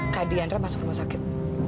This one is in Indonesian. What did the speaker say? kak diandra masuk rumah sakit